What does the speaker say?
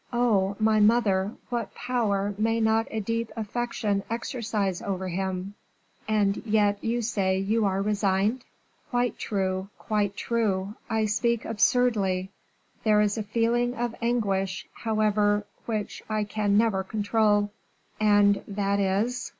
"Oh, my mother, what power may not a deep affection exercise over him!" "And yet you say you are resigned?" "Quite true, quite true; I speak absurdly. There is a feeling of anguish, however, which I can never control." "And that is?"